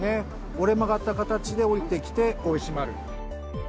折れ曲がった形で下りてきてこう閉まる。